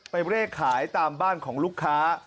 เลขขายตามบ้านของลูกค้า